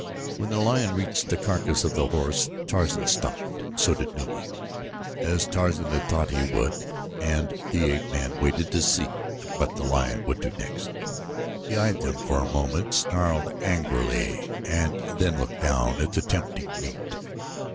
When the lion reached the carcass of the horse Tarzan stopped and so did Numa, as Tarzan had thought that he would and the ape man waited to see what the lion would do next. He eyed them for a moment, snarled angrily and then looked down at the tempting meat.